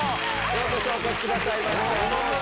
ようこそお越しくださいました。